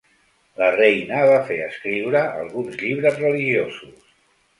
La reina va fer escriure alguns llibres religiosos.